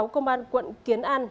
công an quận kiến an